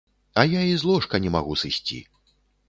А я і з ложка не магу сысці.